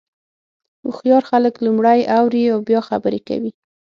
هوښیار خلک لومړی اوري او بیا خبرې کوي.